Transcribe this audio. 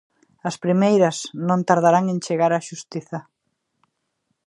As primeiras non tardarán en chegar á xustiza.